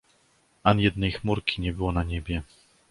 "Ani jednej chmurki nie było na niebie."